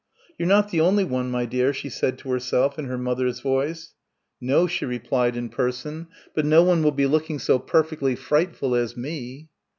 "You're not the only one, my dear," she said to herself in her mother's voice. "No," she replied in person, "but no one will be looking so perfectly frightful as me."